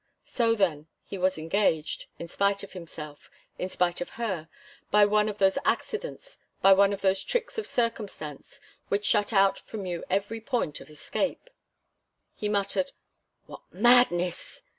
So then, he was engaged, in spite of himself, in spite of her, by one of those accidents, by one of those tricks of circumstance, which shut out from you every point of escape. He muttered: "What madness!"